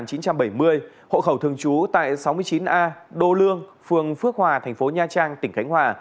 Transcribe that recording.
hộ khẩu thường trú tại sáu mươi chín a đô lương phường phước hòa thành phố nha trang tỉnh khánh hòa